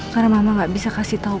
karena mama nggak bisa kasih tahu